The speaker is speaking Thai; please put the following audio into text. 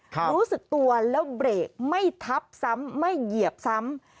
รู้สึกตัวแล้วเบรกไม่ทับซ้ำไม่เหยียบซ้ำ